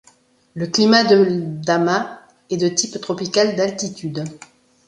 Le climat de Ldama est de type tropical d'altitude.